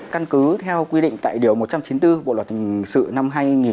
căn cứ theo quy định tại điều một trăm chín mươi bốn bộ luật hình sự năm hai nghìn một mươi năm